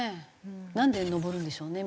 なんで登るんでしょうね。